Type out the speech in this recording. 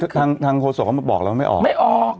ทางโศกเขามาบอกแล้วว่าไม่ออก